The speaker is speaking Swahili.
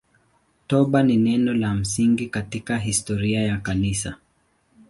Toba ni neno la msingi katika historia ya Kanisa.